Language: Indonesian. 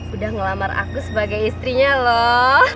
udah ngelamar aku sebagai istrinya loh